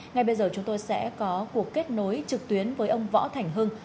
ngay bây giờ chúng tôi sẽ có cuộc kết nối trực tuyến với ông võ thành hưng